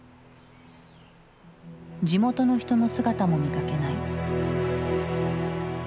地元の人の姿も見かけない。